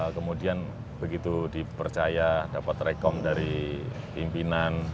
kemudian begitu dipercaya dapat rekom dari pimpinan